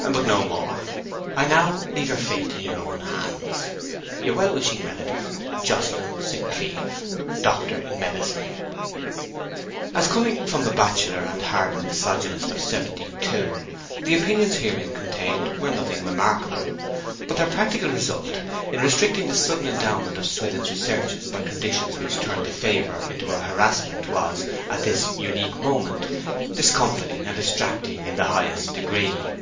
'But no more. I now leave your fate in your own hands. Your well wishing relative, 'JOCELYN ST. CLEEVE, Doctor in Medicine.' As coming from a bachelor and hardened misogynist of seventy two, the opinions herein contained were nothing remarkable: but their practical result in restricting the sudden endowment of Swithin's researches by conditions which turned the favour into a harassment was, at this unique moment, discomfiting and distracting in the highest degree.